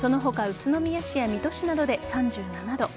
宇都宮市や水戸市などで３７度。